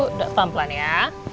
udah pelan pelan ya